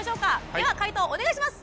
では解答お願いします！